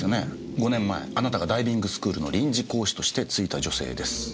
５年前あなたがダイビングスクールの臨時講師としてついた女性です。